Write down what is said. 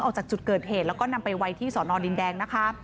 ออกจากจุดเกิดเหตุแล้วก็นำไปไว้ที่สอนอดินแดงนะคะ